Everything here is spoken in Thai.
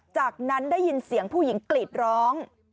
จากนั้นได้ยินเสียงผู้หญิงกรีดร้อง